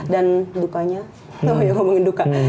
dan dukanya oh ya ngomongin duka